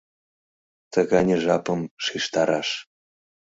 Тыгане жапым шижтараш